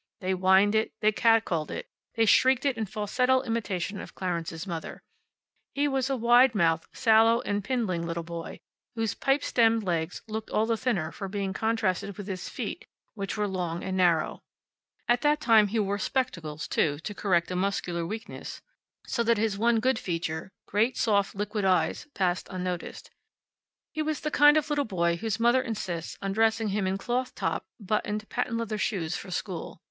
They whined it, they catcalled it, they shrieked it in falsetto imitation of Clarence's mother. He was a wide mouthed, sallow and pindling little boy, whose pipe stemmed legs looked all the thinner for being contrasted with his feet, which were long and narrow. At that time he wore spectacles, too, to correct a muscular weakness, so that his one good feature great soft, liquid eyes passed unnoticed. He was the kind of little boy whose mother insists on dressing him in cloth top, buttoned, patent leather shoes for school.